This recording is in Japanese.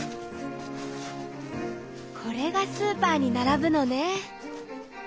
これがスーパーにならぶのね。